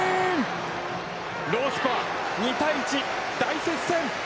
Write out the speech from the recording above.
ロースコア、２対１、大接戦。